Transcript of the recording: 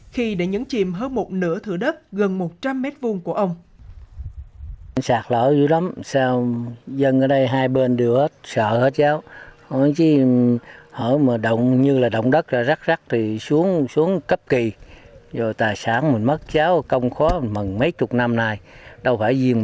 khi đã nhấn chìm hơn một nửa thửa đất gần một trăm linh mét vùng của ông